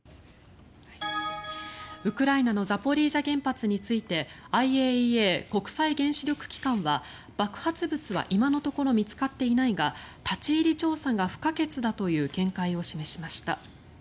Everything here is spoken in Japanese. ウクライナのザポリージャ原発についてＩＡＥＡ・国際原子力機関は爆発物は今のところ見つかっていないが立ち入り調査が不可欠だという見解を示しました。